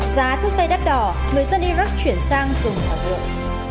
giá thuốc tây đắt đỏ người dân iraq chuyển sang dùng thảo dược